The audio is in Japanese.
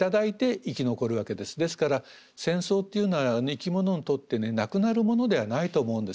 ですから戦争っていうのは生き物にとってなくなるものではないと思うんですね。